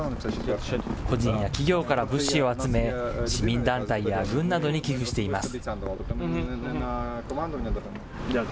個人や企業から物資を集め、市民団体や軍などに寄付しています。